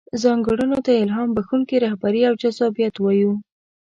ځانګړنو ته يې الهام بښونکې رهبري او جذابيت وايو.